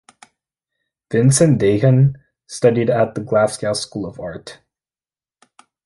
Vincent Deighan studied at the Glasgow School of Art.